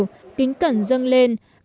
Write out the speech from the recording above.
chủ tịch nước trần đại quang và các đại biểu